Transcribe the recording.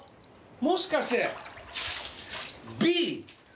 もしかして。